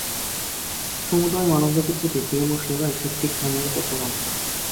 সমুদয় মানবজাতির প্রতি প্রেম ও সেবাই ঠিক ঠিক ধার্মিকতার প্রমাণ।